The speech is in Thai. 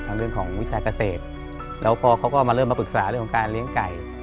เรื่องของวิชาเกษตรแล้วพอเขาก็มาเริ่มมาปรึกษาเรื่องของการเลี้ยงไก่